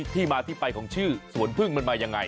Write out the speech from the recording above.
ที่มาที่ไปของชื่อสวนพึ่งมันมายังไง